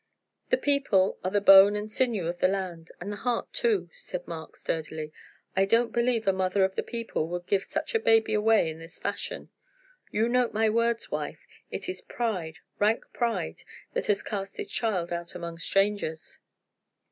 "The people are the bone and sinew of the land, and the heart, too," said Mark, sturdily. "I don't believe a mother of the people would give such a baby away in this fashion. You note my words, wife; it is pride, rank pride, that has cast this child out among strangers."